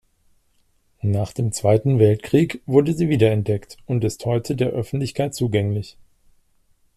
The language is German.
Nach dem Zweiten Weltkrieg wurde sie wiederentdeckt und ist heute der Öffentlichkeit zugänglich.